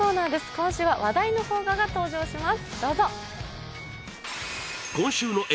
今週は話題の邦画が登場します。